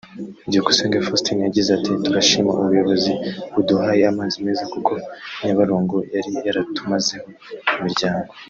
Byukusenge Faustin yagize ati “Turashima ubuyobozi buduhaye amazi meza kuko Nyabarongo yari yaratumazeho imiryango